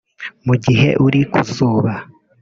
Mu gihe uri ku zuba